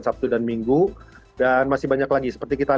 sabtu dan minggu dan masih banyak lagi seperti kita lihat di tv